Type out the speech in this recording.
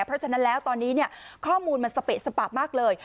เพราะฉะนั้นแล้วตอนนี้ข้อมูลมันสเปะสปะมากเลย